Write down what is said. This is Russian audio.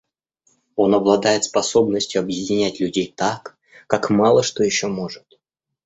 Он обладает способностью объединять людей так, как мало что еще может.